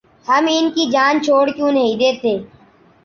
ہم ان کی جان چھوڑ کیوں نہیں دیتے؟